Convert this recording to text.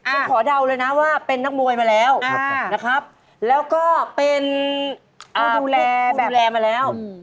ผมขอเดาเลยนะว่าเป็นนักมวยมาแล้วนะครับแล้วก็เป็นผู้ดูแลผู้ดูแลมาแล้ว